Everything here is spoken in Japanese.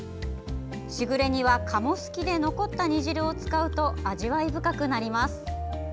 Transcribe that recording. しぐれ煮は、鴨好きで残った煮汁を使うと味わい深くなります。